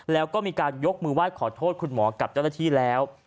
แล้วก็มีการยกมือไหว้ขอโทษคุณหมอกับเจ้าหน้าที่แล้ว